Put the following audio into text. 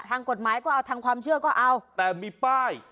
ทางกฎหมายก็เอาทางความเชื่อก็เอาแต่มีป้าย